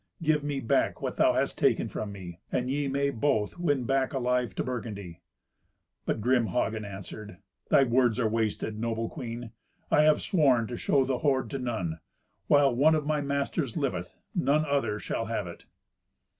"Give me back what thou hast taken from me, and ye may both win back alive to Burgundy." But grim Hagen answered, "Thy words are wasted, noble queen. I have sworn to show the hoard to none. While one of my masters liveth, none other shall have it."